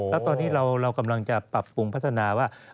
แล้วตอนนี้เรากำลังจะปรับปรุงพัฒนาว่า